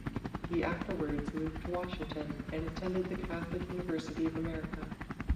He afterwards moved to Washington and attended the Catholic University of America.